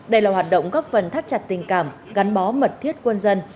đây là hoạt động góp phần thắt chặt tình cảm gắn bó mật thiết quân dân